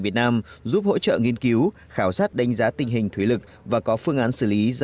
việt nam giúp hỗ trợ nghiên cứu khảo sát đánh giá tình hình thuế lực và có phương án xử lý